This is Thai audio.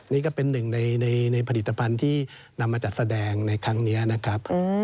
นี่ก็เป็นหนึ่งในผลิตภัณฑ์ที่นำมาจัดแสดงในครั้งนี้นะครับ